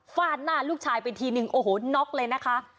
ฟาดหน้าลูกชายไปทีนึงโอ้โหน็อกเลยนะคะ